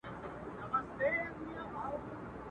سم په لاره کی اغزی د ستوني ستن سي.